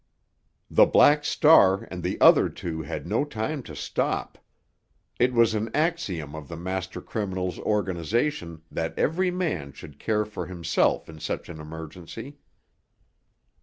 The Black Star and the other two had no time to stop. It was an axiom of the master criminal's organization that every man should care for himself in such an emergency.